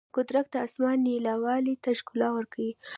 قدرت د اسمان نیلاوالي ته ښکلا ورکوي.